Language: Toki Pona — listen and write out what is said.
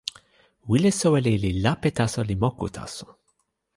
wile soweli li lape taso li moku taso.